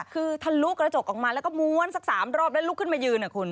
คือทะลุกระจกออกมาแล้วก็ม้วนสัก๓รอบแล้วลุกขึ้นมายืนอ่ะคุณ